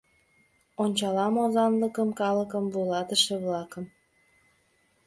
Ончалам озанлыкым, калыкым, вуйлатыше-влакым.